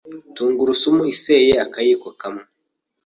tungurusumu iseye akayiko kamwe,